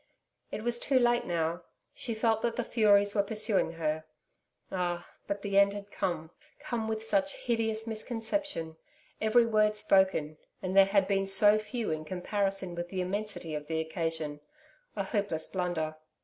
It was too late now. She felt that the Furies were pursuing her. Ah, but the end had come come with such hideous misconception every word spoken and there had been so few in comparison with the immensity of the occasion a hopeless blunder.